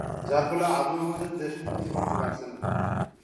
যার ফলে আজও আমাদের দেশ উন্নতি করতে পারছে না।